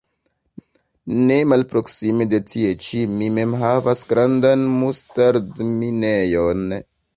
Ne malproksime de tie ĉi mi mem havas grandan mustardminejon.